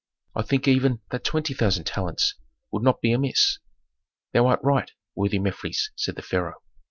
I think even that twenty thousand talents would not be amiss." "Thou art right, worthy Mefres," said the pharaoh.